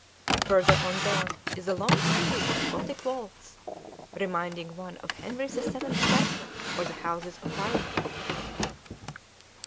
Further on there is a long series of Gothic vaults, reminding one of Henry the Seventh's chapel or the Houses of Parliament."